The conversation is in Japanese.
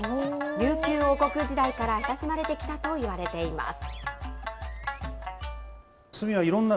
琉球王国時代から親しまれてきたといわれています。